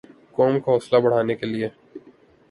قوم کا حوصلہ بڑھانے کیلئے